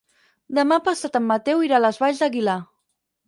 Demà passat en Mateu irà a les Valls d'Aguilar.